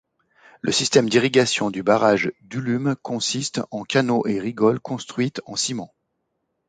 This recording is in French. Le système d'irrigation du barrage d'Ullum consiste en canaux et rigoles construits en ciment.